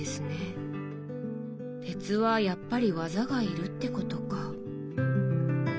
鉄はやっぱり技がいるってことか。